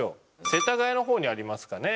世田谷の方にありますかね